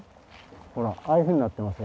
ほらああいうふうになってますよまだ。